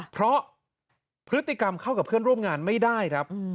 เพราะพฤติกรรมเข้ากับเพื่อนร่วมงานไม่ได้ครับ